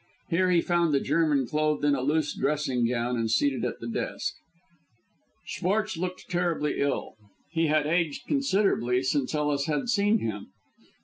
Here he found the German clothed in a loose dressing gown and seated at the desk. Schwartz looked terribly ill. He had aged considerably since Ellis had seen him.